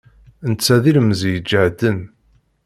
Netta d ilemẓi ijehden.